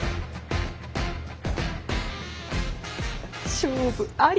勝負あり！